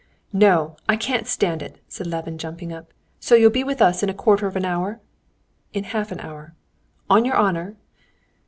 "No, I can't stand it!" said Levin, jumping up. "So you'll be with us in a quarter of an hour." "In half an hour." "On your honor?"